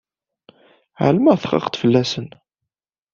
Ɛelmeɣ txaqeḍ fell-asen.